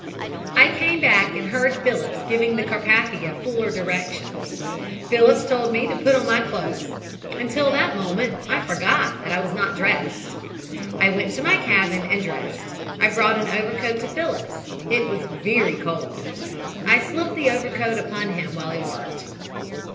"I came back and heard Phillips giving the Carpathia fuller directions. Phillips told me to put on my clothes. Until that moment I forgot that I was not dressed. "I went to my cabin and dressed. I brought an overcoat to Phillips. It was very cold. I slipped the overcoat upon him while he worked.